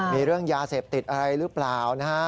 มีเรื่องยาเสพติดอะไรหรือเปล่านะฮะ